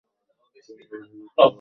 তুমি ভালো লড়তে পারো।